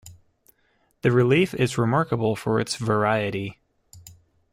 The relief is remarkable for its variety.